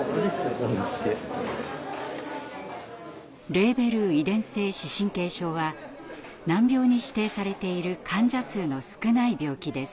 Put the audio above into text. レーベル遺伝性視神経症は難病に指定されている患者数の少ない病気です。